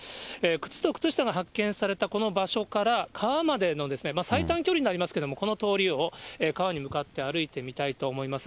靴と靴下が発見されたこの場所から川までの、最短距離になりますけれども、この通りを川に向かって歩いてみたいと思います。